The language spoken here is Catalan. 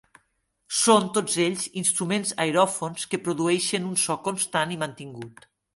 Són, tots ells, instruments aeròfons que produeixen un so constant i mantingut.